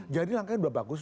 jadi langkahnya udah bagus